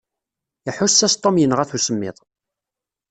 Iḥuss-as Tom yenɣa-t usemmiḍ.